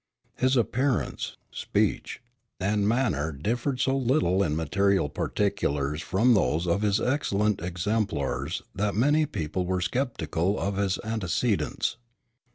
His appearance, speech, and manner differed so little in material particulars from those of his excellent exemplars that many people were sceptical of his antecedents.